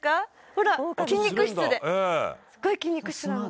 「ほら筋肉質ですごい筋肉質なの」